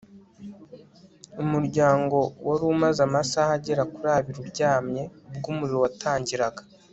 umuryango wari umaze amasaha agera kuri abiri uryamye ubwo umuriro watangiraga